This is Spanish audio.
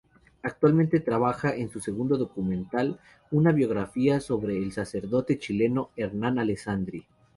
Actualmente trabaja en su segundo documental, una biografía sobre el sacerdote chileno Hernán Alessandri.